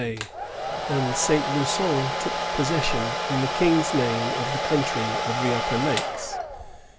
Bay, and Saint Lusson took possession in the King's name of the country of the Upper Lakes.